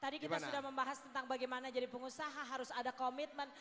tadi kita sudah membahas tentang bagaimana jadi pengusaha harus ada komitmen